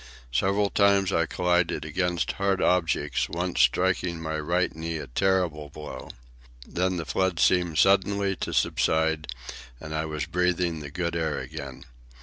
Several times I collided against hard objects, once striking my right knee a terrible blow. Then the flood seemed suddenly to subside and I was breathing the good air again.